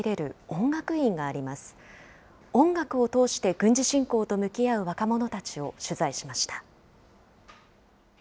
音楽を通して軍事侵攻と向き合う若者たちを取材しました。